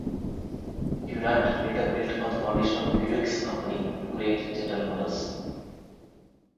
Durant later built on the foundation of Buick's company to create General Motors.